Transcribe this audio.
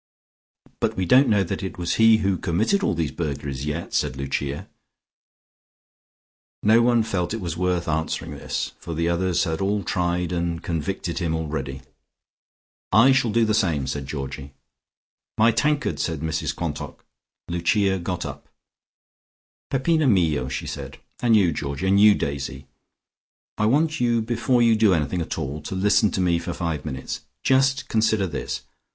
"But we don't know that it was he who committed all these burglaries yet," said Lucia. No one felt it was worth answering this, for the others had all tried and convicted him already. "I shall do the same," said Georgie. "My tankard," said Mrs Quantock. Lucia got up. "Peppino mio," she said, "and you, Georgie, and you, Daisy, I want you before you do anything at all to listen to me for five minutes. Just consider this.